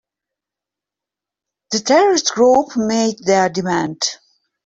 The terrorist group made their demand.